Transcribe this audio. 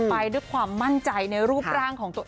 ไปด้วยความมั่นใจในรูปร่างของตัวเอง